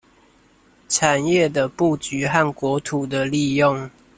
產業的佈局和國土的利用